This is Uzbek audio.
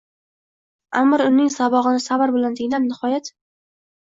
Аmir uning sabogʼini sabr bilan tinglab, nihoyat: